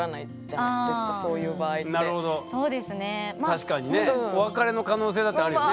確かにねお別れの可能性だってあるよね。